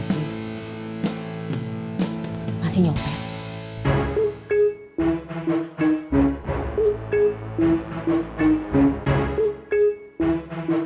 sebentar saya ke atm dulu